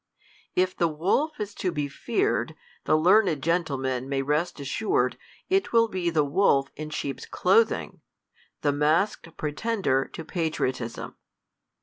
If the wolf is to be feared, the learned gentiemait may rest assured, it will be the wolf in sheep's clothing^? the masked pretender to patriotism.